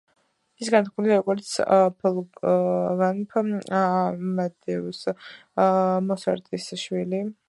ის განთქმულია, როგორც ვოლფგანგ ამადეუს მოცარტის შვილი.